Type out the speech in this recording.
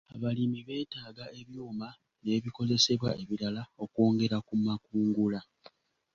Abalimi beetaaga ebyuma n'ebikozesebwa ebirala okwongera ku makungula.